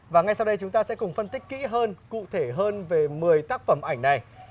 và ngay sau đây chúng ta sẽ cùng phân tích kỹ hơn cụ thể hơn về một mươi tác phẩm ảnh này